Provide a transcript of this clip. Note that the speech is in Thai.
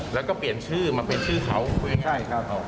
แล้วก็เปลี่ยนชื่อมาเป็นชื่อเขาใช่ครับ